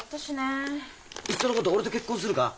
いっそのこと俺と結婚するか？